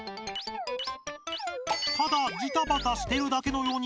ただジタバタしてるだけのように見えます。